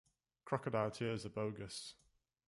Crocodile tears are bogus.